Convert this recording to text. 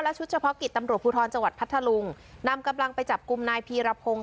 ชุดเฉพาะกิจตำรวจภูทรจังหวัดพัทธลุงนำกำลังไปจับกลุ่มนายพีรพงศ์